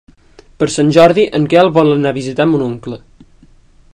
Per Sant Jordi en Quel vol anar a visitar mon oncle.